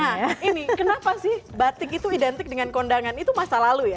nah ini kenapa sih batik itu identik dengan kondangan itu masa lalu ya